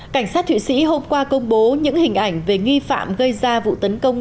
cảnh sát thụy sĩ hôm qua công bố những hình ảnh về nghi phạm gây ra vụ tấn công